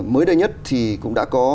mới đây nhất thì cũng đã có